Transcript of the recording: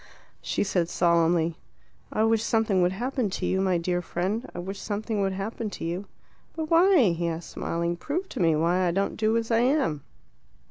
She said solemnly, "I wish something would happen to you, my dear friend; I wish something would happen to you." "But why?" he asked, smiling. "Prove to me why I don't do as I am."